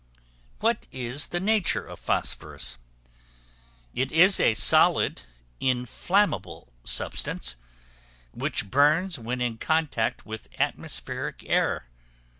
] What is the nature of Phosphorus? It is a solid, inflammable substance, which burns when in contact with atmospheric air.